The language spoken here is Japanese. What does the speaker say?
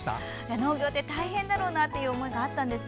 農業って大変だろうなという思いがあったんですが